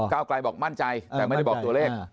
ไกลบอกมั่นใจแต่ไม่ได้บอกตัวเลข